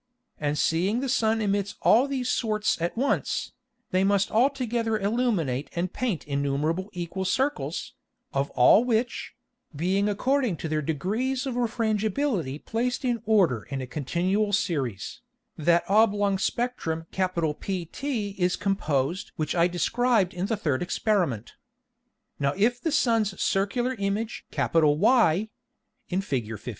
And seeing the Sun emits all these sorts at once, they must all together illuminate and paint innumerable equal Circles, of all which, being according to their degrees of Refrangibility placed in order in a continual Series, that oblong Spectrum PT is composed which I described in the third Experiment. Now if the Sun's circular Image Y [in Fig. 15.